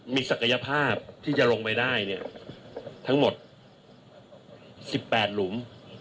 มีศักยภาพที่จะลงไปได้เนี่ยทั้งหมด๑๘หลุม